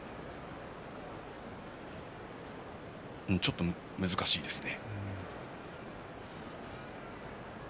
ちょっと難しいですね。